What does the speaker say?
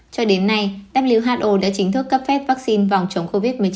cho đến nay who đã chính thức cấp phép vaccine phòng chống covid một mươi chín